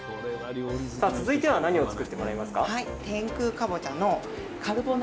さあ続いては何を作ってもらえますか？